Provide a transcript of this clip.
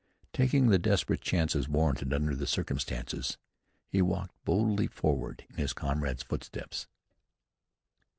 Taking the desperate chances warranted under the circumstances, he walked boldly forward in his comrade's footsteps.